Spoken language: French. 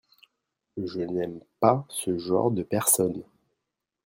Je n'aime pas ce genre de personnes.